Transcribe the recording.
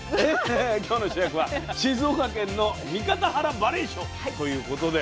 今日の主役は静岡県の三方原ばれいしょということで。